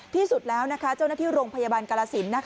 ที่สุดแล้วเจ้าหน้าที่โรงพยาบาลกรสิน